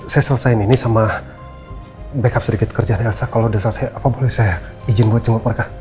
saya selesain ini sama backup sedikit kerjaan elsa kalau udah selesai apa boleh saya izin buat jemput mereka